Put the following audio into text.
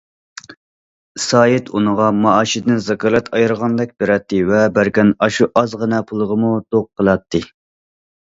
سايىت ئۇنىڭغا مائاشىدىن زاكالەت ئايرىغاندەك بېرەتتى ۋە بەرگەن ئاشۇ ئازغىنا پۇلىغىمۇ دوق قىلاتتى.